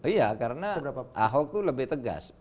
iya karena ahok itu lebih tegas